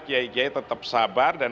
kiai kiai tetap sabar dan